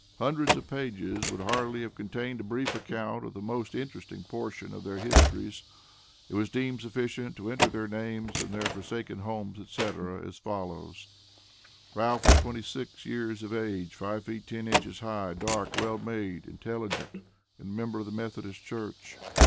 Hundreds of pages would hardly have contained a brief account of the most interesting portion of their histories. It was deemed sufficient to enter their names and their forsaken homes, etc., as follows: "Ralph was twenty six years of age, five feet ten inches high, dark, well made, intelligent, and a member of the Methodist Church.